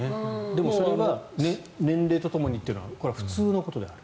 でも、それは年齢とともにというのは普通のことである。